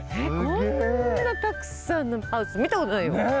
こんなたくさんのハウス見たことないよ。ね！